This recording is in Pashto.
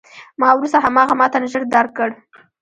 ما وروسته هماغه متن ژر درک کړ.